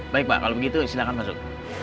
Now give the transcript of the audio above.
baik pak kalau begitu silahkan masuk